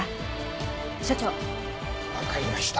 わかりました。